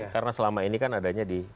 karena selama ini kan adanya di